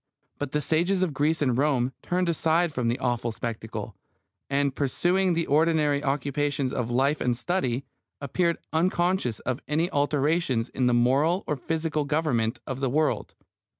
But the sages of Greece and Rome turned aside from the awful spectacle, and pursuing the ordinary occupations of life and study, appeared unconscious of any alterations in the moral or physical government of the world.